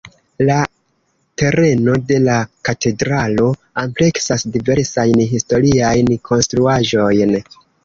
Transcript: La tereno de la katedralo ampleksas diversajn historiajn konstruaĵojn.